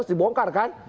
mesti dibongkar kan